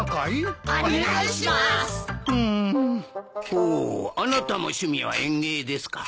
ほうあなたも趣味は園芸ですか。